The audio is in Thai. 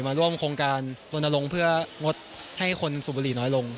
มาร่วมโครงการลนลงเพื่องดให้คนสูบบุหรี่น้อยลง